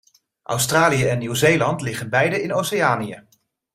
Australië en Nieuw Zeeland liggen beide in Oceanië.